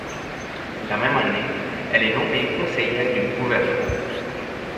La même année, elle est nommée conseillère du gouvernement.